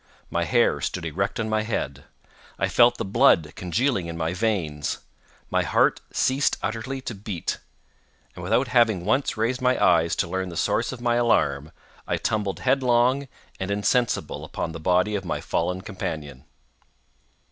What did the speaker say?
My hair stood erect on my head—I felt the blood congealing in my veins—my heart ceased utterly to beat, and without having once raised my eyes to learn the source of my alarm, I tumbled headlong and insensible upon the body of my fallen companion.